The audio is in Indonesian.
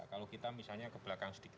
kalau kita misalnya ke belakang sedikit